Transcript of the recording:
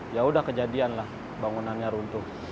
yaudah kejadian lah bangunannya runtuh